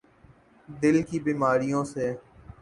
دل کی بیماریوں س